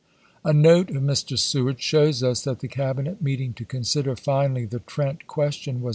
A note of Mr. Seward shows us that the Cabinet meeting to consider finally the Trent question was 1861.